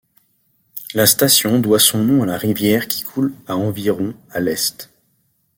La station doit son nom à la rivière qui coule à environ à l'est.